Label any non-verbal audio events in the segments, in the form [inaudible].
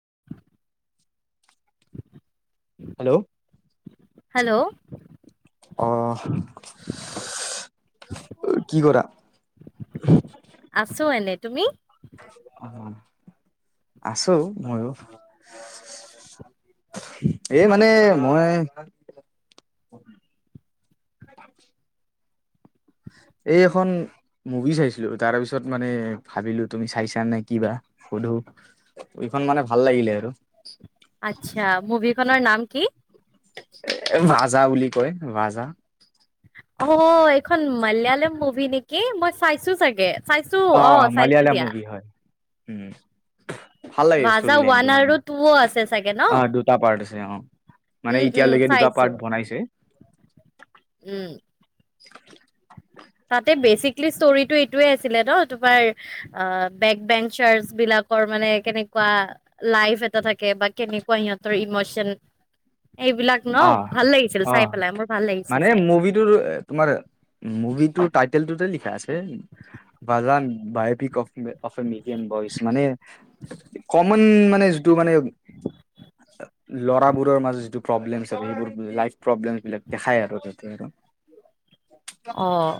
[inaudible] Hello hello আহ কি কৰা। আছো এনে তুমি। অ' আছো ময়ো। এই মানে মই। [unintelligible] এই খন। মুভি চাইছিলো তাৰ পিছত মানে ভাবিলো তুমি চাইছা নে কিবা সুধো। এখন মানে ভাল লাগিলে আৰু আচছা মুভিখনৰ নাম কি? ভাজা বুলি কয় ভাজা। অ এইখন মালয়ালম মুভি নেকি মই চাইছো চাগে। চাইছো অ' চাইছো মালিয়ালা দিয়া মুভি হয়, উম। ভাল লাগে ভাজা ষ্টৰি লাইন ওৱান টো মানে আৰু টুও আছে চাগে ন অ' দুটা পাৰ্ট আছে অ'। উম মানে উম এতিয়ালৈকে দুটা চাইছো পাৰ্ট বনাইছে। উম। তাতে বেচিকেলি ষ্টৰিটো এইটোৱে আছিলে ন তোমাৰ বেক বেং চাৰ বিলাক। মানে কেনেকুৱা লাইফ এটা থাকে বা কেনেকুৱা সিহঁতৰ ইমচন। এইবিলাক ন ভাল লাগিছিল অ' চাই অ' পেলাই মোৰ ভাল লাগিছে মানে চাই মুভিটোৰ তোমাৰ। মুভিটো। টাইটেলটোতে লিখা আছে বাজ বায়পিক অ' অফ্ এ মিয়ান বইচ মানে। কমন মানে যিটো মানে ল'ৰাবোৰৰ মাজত যিটো প্ৰব্লেম সেইবোৰ লাইফ প্ৰব্লেমবিলাক দেখাই আৰু তাতে আৰু। আহ।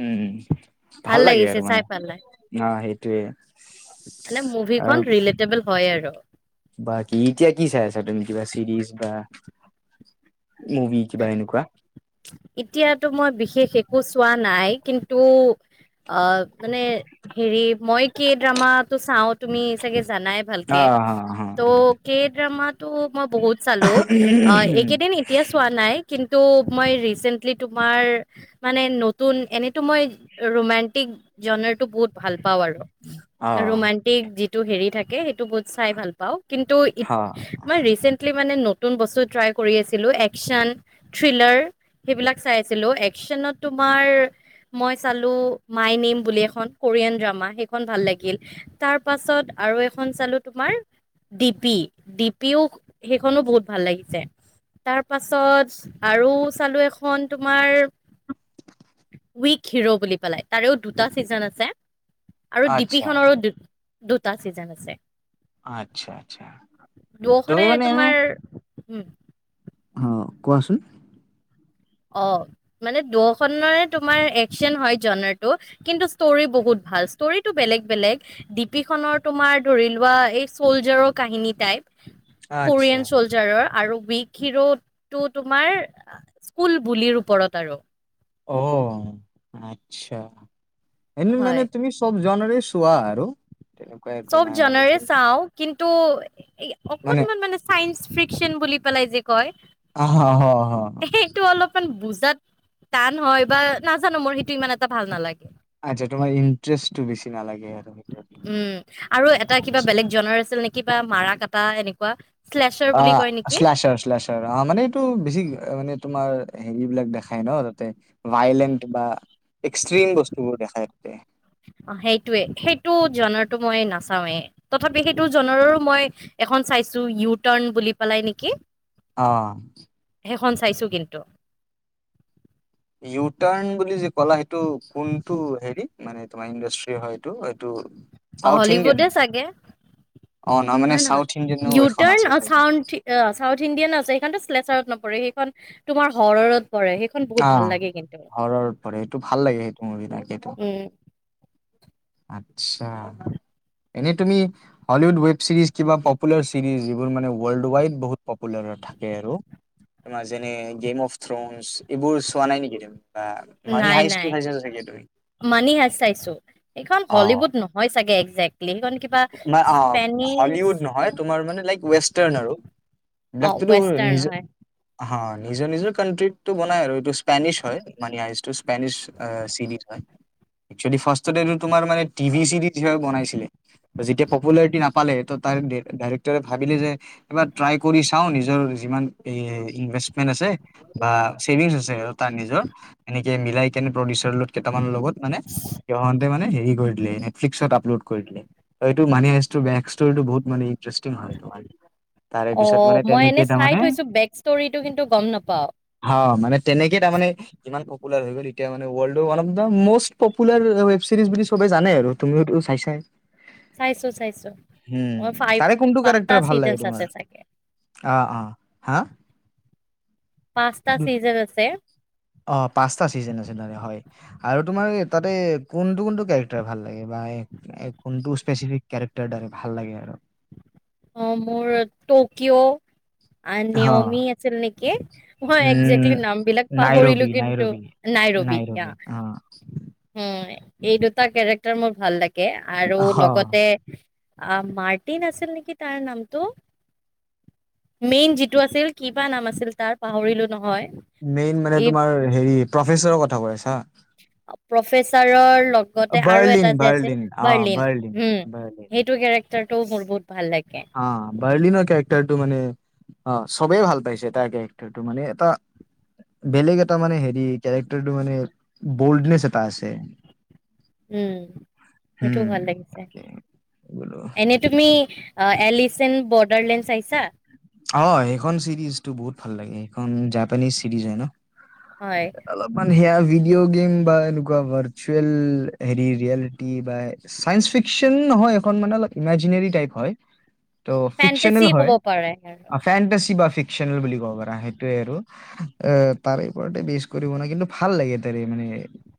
উম, ভাল লাগে আৰু মানে পেলাই অ' সেইটোৱে। মানে মুভিখন ৰিলেটেবুল হয় আৰু। বাকী এতিয়া কি চাই আছা তুমি বা চিৰিজ বা মুভি কিবা এনেকুৱা। এতিয়াতো মই বিশেষ একো চোৱা নাই। কিন্তু, অ' মানে হেৰি মই কি ড্ৰামাটো চাওঁ তুমি চাগে জানাই অ ভালকে। হা হা তো কেটা মান। মই বহুত চালো অ' এইকেইদিন এতিয়া চোৱা নাই। কিন্তু মই ৰিচেন্টলি তোমাৰ মানে নতুন এনেতো মই ৰোমণ্টিক জন্ টো বহুত ভাল পাওঁ আৰু অ ৰোমানণ্টিক যিটো হেৰি থাকে সেইটো বহুত চাই ভাল পাওঁ। কিন্তু ই হ মই ৰিচেন্টলি মানে ন। নতুন বস্তু ট্ৰাই কৰি আছিলোঁ একচন, থ্ৰিলাৰ। সেইবিলাক চাইছিলো। একচনত তোমাৰ মই চালো মাই নেম বুলি এখন কোৰিয়ান ড্ৰামা সেইখন ভাল লাগিল। তাৰ পাছত আৰু এখন চালো তোমাৰ ডিপি ডিপিও সেইখনো বহুত ভাল লাগিছে। তাৰ পাছত আৰু চালো এখন তোমাৰ উইক হিৰো বুলি পেলাই তাৰেও দুটা ছিজন আছে। আৰু আচ্ছা ডিপিখনৰো দু দুটা চিজন আছে। আচ্ছা আচ্ছা তুমি দুখনে মানে এনে তোমাৰ উম। অ', কোৱাচোন। অ', মানে দখৰে তোমাৰ একচন হয় জটো কিন্তু ষ্টৰি বুক বহুত ভাল ষ্টৰিটো বেলেগ। বেলেগ ডিপিখনৰ তোমাৰ ধৰি লোৱা এই চ'লজাৰৰ কাহিনী টাইপ। আচ্ছা কোৰিয়ান চলজাৰৰ আৰু উক হিৰোটো তোমাৰ কুল বুলিৰ ওপৰত আৰু। অ', আচ্ছা। এনে মানে হয় তুমি চব জনৰে চোৱা আৰু। তেনেকুৱা একো চব নাই জনৰে আৰু চাওঁ কিন্তু অকনমান মানে চাইন্স ফ্ৰিকচন বুলি পেলাই যে কয় অ হ হ সেইটো অলপ ইমান বুজাত টান হয় বা নাজানো মোৰ সেইটো ইমান এটা ভাল নালাগে। আচ্ছা তোমাৰ ইণ্টাৰেষ্টটো বেছি নালাগে আৰু সেইটোৱে। উম আৰু এটা কিবা বেলেগ জনৰ আছিল নেকি বা মাৰা কটা এনেকুৱা। শ্লেচাৰ বুলি কয় অ', নেকি শ্লাছৰ শ্লাছৰ অ' মানে এইটো বেছি মানে তোমাৰ হেৰি বিলাক দেখাই ন তাতে ভাইলেণ্ট বা এক্সট্ৰিম বস্তুবোৰ দেখাই তাতে অ', সেইটোৱে সেইটো জন মই নাচাওৱেই তথাপি সেইটো জনৰো মই এখন চাইছো ইউটাৰ্ণ বুলি পালাই নেকি? আহ। সেইখন চাইছো কিন্তু। ইউটাৰ্ণ বুলি যে কলা সেইটো কোনটো হেৰি মানে তোমাৰ ইণ্ডাষ্ট্ৰি হয় এইটো এইটো? অ', চাউথ ইণ্ডিয়ান হলিউডে নেকি চাগে! অ নহয় মানে নাই নাই চাউথ ইণ্ডিয়ানো এখন নিউটান আছে চাগে চাউথ ইণ্ডিয়ান আছে। এই প্লেচাৰত নপৰে সেইখন তোমাৰ হৰৰত পৰে সেইখন বহুত ভাল আহ লাগে কিন্তু হৰৰত পৰে সেইটো ভাল লাগে সেইটো মোভি তাকেটো। উম আচ্ছা। এনে তুমি হলিউড ৱেব চিৰিজ কিবা পপুলাৰ চিৰিজ যিবোৰ মানে ৱৰ্ল্ড ৱাইড বহুত পপুলাৰ। থাকে আৰু তোমাৰ যেনে গেম অফ থ্ৰন এইবোৰ চোৱা নাই নেকি বা মানি নাই নাই হায়েচটো চাই চা চাগে তুমি? মানি হাইচ চাইছো। এইখন অ হলিউড নহয় চাগে। একজেক্টলি সেইখন কিবা হলিউড স্পেনিছ নহয় তোমাৰ মানে লাইক ৱেষ্টাৰ্ণ আৰু। অ ডাক্তটো ৱেষ্টাৰ্ণ নিজৰ হয় হয়। নিজৰ নিজৰ কানট্ৰিটো বনাই আৰু এইটো স্পেনিছ হয় মানে স্পেনিচ চিৰিজ হয়। একচোৱেলি ফাৰ্ষ্টতে তোমাৰ টিভি চিৰিজ বনাইছিলে। যেতিয়া পপুলাৰিটি নাপালে ত' ডাইৰেক্টৰে ভাবিলে যে এইবাৰ ট্ৰাই কৰি চাওঁ নিজৰ যিমান এই ইনভেস্টমেন্ট আছে বা চেৰিনজ আছে আৰু তাৰ নিজৰ এনেকে মিলাই পউিচাৰ কেইটামানৰ লগত মানে সিহঁতে মানে হেৰি কৰি দিলে নেটফ্লিক্সত আপলোড কৰি দিলে। এইটো মানে ষ্টৰিটো বহুত মানে ইটাৰেষ্টি হয় তোমাৰ। তাৰে পিছত অ', মানে মই তেনেকে এনে চাই তাৰমানে থৈছো বেক ষ্টৰিটো কিন্তু গম নাপাওঁ। হা মানে তেনেকে মানে পপুলাৰ হৈ গ'ল এতিয়া মানে world of the most popular web series চবে জানে আৰু তুমিওতো চাই চায়ে। চাইছো চাইছো উম, মই ফাইভ তাৰে কোনটো পাঁচটা কাৰক্টাৰ ভাল লাগে চিজনছ তোমাৰ? আছে চাগে আহ অ' হা? পাচঁটা দু চিজন আছে। অ', পাঁচটা চিজন আছে হয় আৰু তোমাৰ তাতে কোনটো কোনটো কেক্টাৰ ভাল লাগে বা কোনটো স্পেচিফিক কেৰেক্টাৰ ভাল লাগে আৰু। অ', মোৰ টকিঅ'। আ হ নিয়মি আছিল নেকি মই উম একজেক্টলি নাম বিলাক পাহৰিলো নাইৰবি কিন্তু নাইৰবি নাই। নাইৰবি অ'। উম এই দুটা কেৰেক্টাৰ মোৰ ভাল লাগে আৰু অ লগতে আহ মাৰ্টিন আছিল নেকি তাৰ নামটো। মেইন যিটো আছিল কিবা নাম আছিল তাৰ পাহৰিলো নহয়। মেইন মানে এই তোমাৰ হেৰি প্ৰফেচৰৰ কথা কৈ আছা? প্ৰফেচাৰৰ লগতে আৰু বাৰ্লিন এটা যে আছিল বাৰ্লিন অ বাৰ্লিন হম। বাৰ্লিন সেইটো কেৰেক্টাৰটো মোৰ বহু অ', বাৰলিন কে ৰেক্টটো মানে অ' চবেই ভাল পাইছে তাৰ কেৰেটাৰটো মানে এটা বেলেগ এটা মানে হেৰি কেৰেক্টাৰটো মানে বল্ডনেচ এটা আছে। উম হেইটোও হম ভাল লাগিছে। তাকে বোলো এনেই তুমি অ', এলিচেণ্ বৰ্ডাৰলেণ্ড চাইছা? অ', সেইখন চিৰিজটো বহুত ভাল লাগে সেইখন জাপানিছ চিৰিজ হয় ন। হয় অলপান সেয়া ভিডিঅ' গেম বা এনেকুৱা ভাৰ্চুৱেল হেৰি ৰিয়েলিটি বা চাইন্ঞ্চ ফিকচন নহয় এইখন মানে অলপ ইমাজিনেৰি টাইপ হয়। ত' ফেন্টাচি ফিকচনেল হয়। ক'ব পাৰে অফেটি দা ফিক্নেল বুলি ক'ব পৰা সেইটোৱে আৰু অ' তাৰে ওপৰতে বেছ কৰি বনাই কিন্তু ভাল লাগে তেনে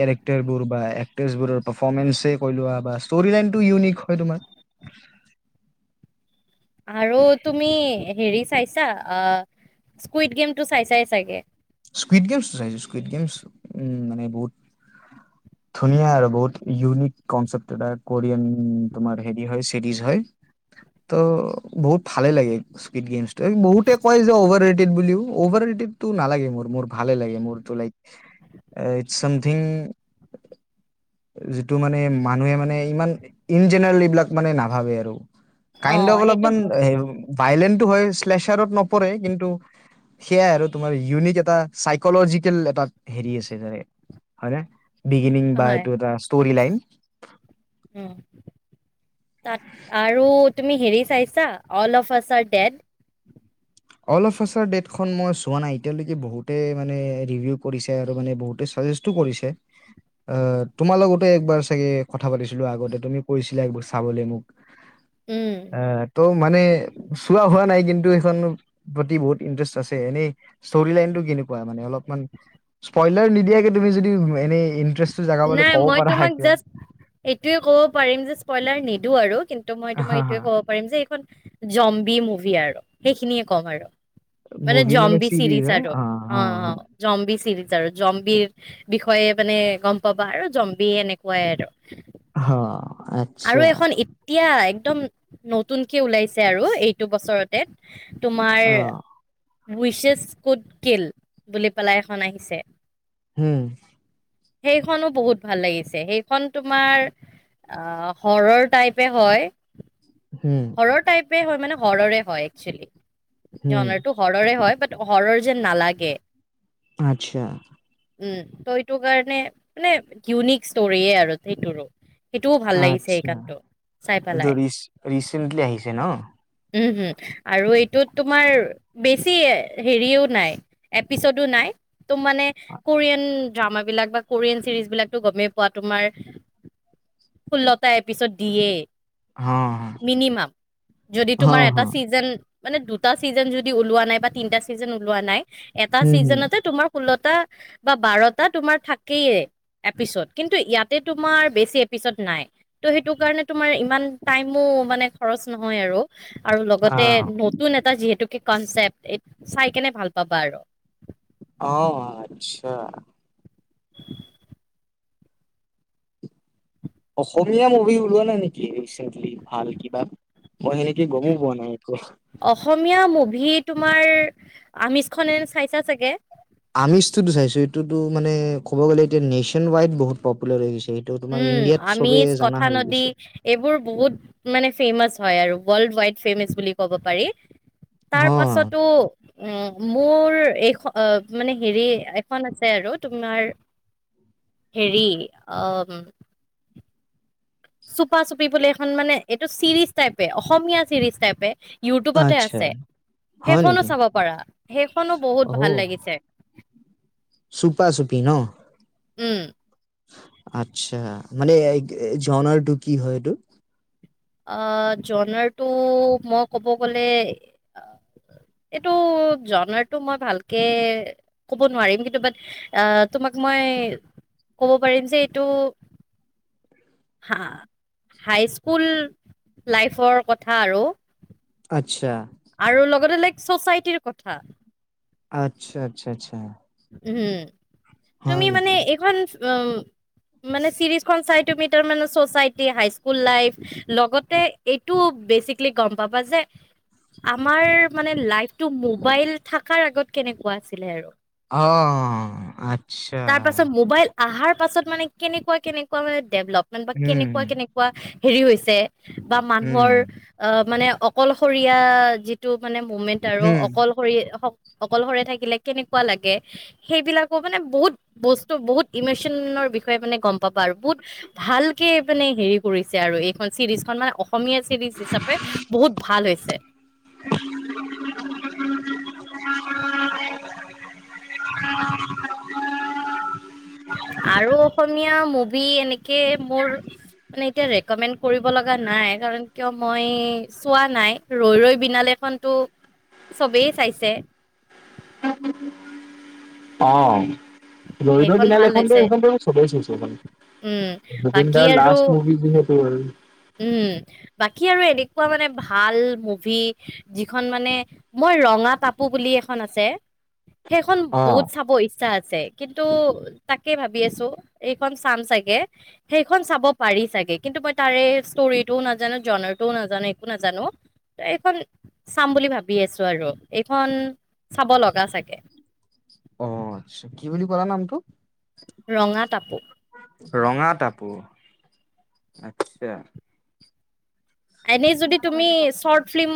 কেৰেক্টাৰবোৰ বা এক্টোৰ পাৰফে কৈ লোৱা বা ষ্টৰি লাইনটো ইউনিক হয় তোমাৰ। [inaudible] আৰু তুমি হেৰি চাইছা অ' স্কুইড গেমটো চাইছাই চাগে। স্কুইড গেমছটো চাইছো স্কুইড গেমছ উম মানে বহুত ধুনীয়া আৰু বহুত ইউনিক কনচেপ্ট এটা কোৰিয়ান তোমাৰ হেৰি হয় চিৰিজ হয়। ত' বহুত ভালে লাগে স্কুইট গেম ত' বহুতে কয় যে অভাৰ ৰেটিড বুলিও। অভাৰ ৰেটিডতো নালাগে মোৰ। মোৰ ভালে লাগে মোৰ লাইক ইট চামথিইিং যিটো মানে মানুহে মানে ইমান ইন জেনেৰেল এইবিলাক মানে নাভাবে আৰু। অ কাইণ্ড সেইটো অলপমান ভ- ভাইলেন হেইটো হয় চ্লেচাৰত নপৰে কিন্তু সেয়া আৰু ইউনিক এ চাইকজিকেল এটা হেৰি আছে হয়নে? বিগিনিং বা হয় এইটো এটা ষ্টৰি লাইন। উম তাত আৰু তুমি হেৰি চাইছা all of us are dead? All of us are dead খন মই চোৱা নাই এতিয়া লৈকে বহুতে মানে ৰিভিউ কৰিছে আৰু মানে বহুতে [unintelligible] কৰিছে। আহ তোমাৰ লগতে একবাৰ চাগে কথা পাতিছিলো আগতে, তুমি কৈছিলা একবাৰ চাবলৈ মোক। উম আহ তো মানে চোৱা হোৱা নাই, কিন্তু সেইখন প্ৰতি বহুত ইণ্টাৰেষ্ট আছে। এনেই ষ্টৰি লাইনতটো কেনেকুৱা মানে অলপমান স্পইলাৰ নিদিয়া তুমি যদি এনে ইটাৰেষ্ট নাই মই তোমাক জাষ্ট এইটোয়ে ক'ব পাৰিম যে স্প্ৰইলাৰ নিদো আৰু। কিন্তু মই তোমাৰ হা হা এইটোয়ে ক'ব পাৰিম যে এইখন জম্বি মুভি আৰু সেইখিনিয়ে কম আৰু। মানে জম্বি চিৰিজ আৰু আৰুো অ' অ' জম্বি চিৰিজ। যাৰ জম্বিৰ বিষয়ে মানে, গম পাবা আৰু জম্বি এনেকুৱাই আৰু। হা আৰু আচ্ছা এখন এতিয়াই একদম নতুনকে ওলাইছে আৰু এইটো বছৰতে। তোমাৰ অ উইছেছ কৈড কিল বুলি পেলাই এখন আহিছে। হুম। সেইখনো বহুত ভাল লাগিছে। সেইখন তোমাৰ অ' হৰৰ টাইপে হয়, হুম হৰৰ টাইপে হয়, মানে হৰৰে হয় একচুৱেলি। হুম জনাৰটো হৰৰে হয়। বাট হৰৰ যেন নালাগে। আচ্ছা। উম ত এইটো কাৰণে, মানে ইউনিক ষ্টৰিয়ে আৰু সেইটোৰো। সেইটোও ভাল লাগিছে এই আচ্ছা গানটো চাই এইটো পেলাই। ৰিচ ৰিচেণ্টলি আহিছে ন উম', উম', আৰু এইটোত তোমাৰ বেছি হেৰিও নাই, এপিছডো নাই। ত মানে কোৰিয়ান ড্ৰামা বিলাক বা কোৰিয়ান চিৰিজ বিলাক টো গমেই পোৱা তোমাৰ ষোল্লটা এপিছড দিয়ে। হা মিনিমাম। যদি হা তোমাৰ এটা হা চিজন মানে দুটা ছিজন যদি ওলোৱা নাই। বা তিনিটা ছিজন ওলোৱা নাই। এটা হুম হুম ছিজনতে তোমাৰ ষোল্লটা বা বাৰটা তোমাৰ থাকেয়েই। এপিছড। কিন্তু ইয়াতে তোমাৰ বেছি এপিছড নাই। ত' সেইটো কাৰণে তোমাৰ ইমান টাইমো খৰচ নহয় আৰু। আৰু অ লগতে নতুন এটা যিহেতুকে কনচেপ্ট, এই চাই কেনে ভাল পাবা আৰু, আহ', আচ্ছা। [inaudible] অসমীয়া মুভি ওলোৱা নাই নেকি? ৰিচেণ্টলি ভাল কিবা। মই সেনেকে গমো পোৱা নাই একো। অসমীয়া মুভি তোমাৰ আমিজ খন এনে চাইছা চাগে? আমিজটোতো চাইছো, এইটোতো মানে ক'ব গ'লে এতিয়া নেশ্বন ৱাইড বহুত পপুলাৰ হৈ গৈছে। এইটো তোমাৰ উম', ইণ্ডিয়াত চবে আমিষ, জানা কথা হৈ নদী গৈছে এইবোৰ বহুত মানে ফেমাচ হয় আৰু, ৱৰ্লড ৱাইড ফেমাচ বুলি ক'ব পাৰি। হ তাৰ পাছতো উম মোৰ এইখন মানে হেৰি এখন আছে আৰু তোমাৰ হেৰি অ চুপা চুপি বুলি এখন মানে এইটো চিৰিজ টাইপে। অসমীয়া চিৰিজ টাইপে ইউটিউবতে আচ্ছা আছে। হয় সেইখনো নেকি চাব পাৰা। সেইখনো বহুত ভাল লাগিছে। চপা চুপি ন? উম'। আচ্ছা। মানে এ জনাৰটো কি হয়? এইটো আহ জনাৰটো মই ক'ব গ'লে [inaudible] এইটো জনাৰটো মই ভালকে ক'ব নোৱাৰিম। কিন্তু বাট আহ তোমাক মই সেই ক'ব পাৰিম যে এইটো হা, হাইস্কুল লাইফৰ কথা আৰু আচ্ছা আৰু লগতে লাইক ছচাইটিৰ কথা। আচ্ছা', আচ্ছা', আচ্ছা'। উম', হয় তুমি মানে নেকি এইখন উম মানে চিৰিজ খন চাই তুমি তাৰমানে চচাইটি, হাইস্কুল লাইফ লগতে এইটো বেচিকেলি গম পাবা যে আমাৰ মানে লাইফটো মোবাইল থকাৰ আগত কেনেকুৱা আছিলে আৰু আহ', আচ্ছা। তাৰ পাছত মোবাইল আহাৰ পাছত মানে কেনেকুৱা কেনেকুৱা মানে ডেভলপমেন্ট বা উম কেনেকুৱা কেনেকুৱা হেৰি হৈছে বা উম মানুহৰ অ মানে অকলশৰীয়া যিটো মানে মমেন্ট আৰু হম অকলশৰ-অকলশৰে থাকিলে কেনেক লগে। সেইবিলাকো মানে বহুত বস্তু বহুত ইমচনৰ বিষয়ে মানে গম পাবা আৰু বহুত ভালকে মানে হেৰি কৰিছে আৰু এইখন চিৰিজ খন মানে অস অসমীয়া চিৰিজ হিচাপে বহুত ভাল হৈছে। [unintelligible] আৰু অসমীয়া মুভি এনেকে মোৰ মানে এতিয়া ৰেকমেণ্ড কৰিব লগা নাই, কাৰণ কিয় মই চোৱা নাই, ৰৈ ৰৈ বিনালে টো চবেই চাইছে। অ'। ৰৈ ৰৈ সেইখন বিনালে ভাল এইখন, হৈছে সেইখন বাৰো চবেই চাইছে। উম জুবিন বাকী দাৰ আৰু লাষ্ট মুভি যিহেতু আৰু। উম, বাকী আৰু এনেকুৱা মানে, ভাল মুভি যিখন মানে মই ৰঙা তাপু বুলি এখন আছে সেইখন অ বহুত চাব ইচ ইচ্ছা আছে কিন্তু তাকে ভাবি আছো এইখন চাম চাগে সেইখন চাব পাৰি চাগে কিন্তু মই তাৰে ষ্টৰিটো নাজানো জনাৰটো নাজানো একো নাজানো ত' এইখন চাম বুলি ভাবি আছো আৰু এইখন চাব লগা চাগে অ', আচছা কি বুলি কলা নামটো? ৰঙা টাপু ৰঙা টাপু আচ্ছা। এনেই যদি তুমি শৰ্ট ফিল্ম